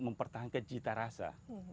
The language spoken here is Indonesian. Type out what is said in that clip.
mempertahankan cita rasa